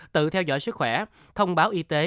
tự theo dõi sức khỏe thông báo y tế